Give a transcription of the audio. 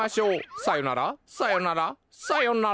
さよならさよならさよなら！